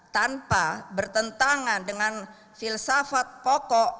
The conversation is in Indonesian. tanpa bertentangan dengan filsafat pokok